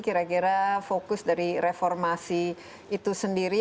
kira kira fokus dari reformasi itu sendiri